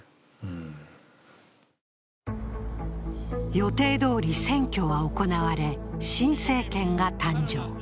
予定どおり選挙は行われ新政権が誕生。